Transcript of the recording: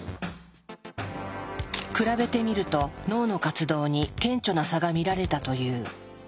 比べてみると脳の活動に顕著な差が見られたという。